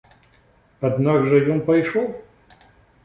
Аднак жа ён пайшоў.